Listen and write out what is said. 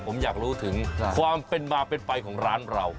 ผมอยากรู้ถึงความเป็นมาเป็นไปของร้านเรา